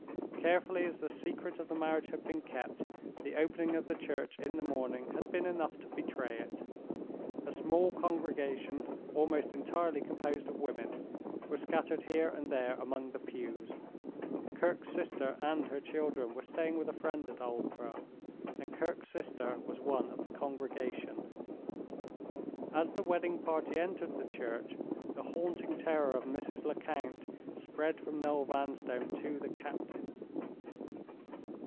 Carefully as the secret of the marriage had been kept, the opening of the church in the morning had been enough to betray it. A small congregation, almost entirely composed of women, were scattered here and there among the pews. Kirke's sister and her children were staying with a friend at Aldborough, and Kirke's sister was one of the congregation. As the wedding party entered the church, the haunting terror of Mrs. Lecount spread from Noel Vanstone to the captain.